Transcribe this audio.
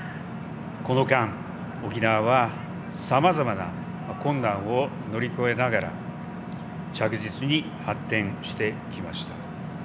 この間、沖縄はさまざまな困難を乗り越えながら着実に発展してきました。